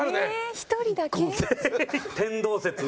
１人だけ？